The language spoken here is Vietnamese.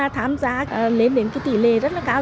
tham gia lấy đến tỷ lệ rất là cao